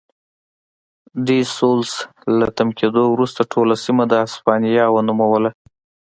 ډي سلوس له تم کېدو وروسته ټوله سیمه د هسپانیا ونوموله.